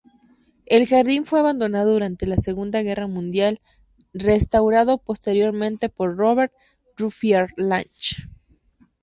El jardín fue abandonado durante la Segunda Guerra Mundial, restaurado posteriormente por "Robert Ruffier-Lanche".